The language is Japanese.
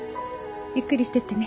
ゆっくりしてってね。